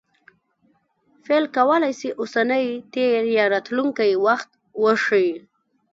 فعل کولای سي اوسنی، تېر یا راتلونکى وخت وښيي.